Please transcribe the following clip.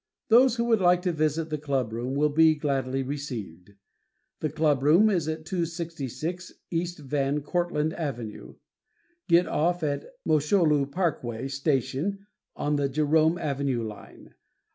Those who would like to visit the clubroom will be gladly received. The clubroom is at 266 E. Van Cortland Ave. Get off at Mosholu Parkway station on the Jerome Avenue line.